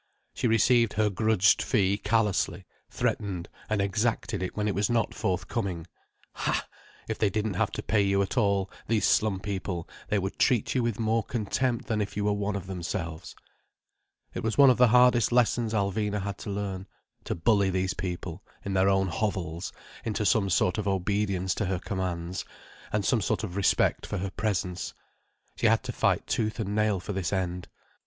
She received her grudged fee callously, threatened and exacted it when it was not forthcoming. Ha!—if they didn't have to pay you at all, these slum people, they would treat you with more contempt than if you were one of themselves. It was one of the hardest lessons Alvina had to learn—to bully these people, in their own hovels, into some sort of obedience to her commands, and some sort of respect for her presence. She had to fight tooth and nail for this end.